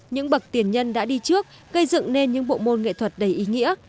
những bậc tiền nhân đã đi trước gây dựng nên những bộ môn nghệ thuật đầy ý nghĩa